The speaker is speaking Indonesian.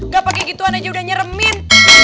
gak pake gituan aja udah nyeremin